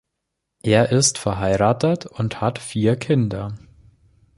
Er ist verheiratet und hat vier Kinder.